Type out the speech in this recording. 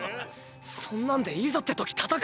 そんなんでいざって時戦えんの？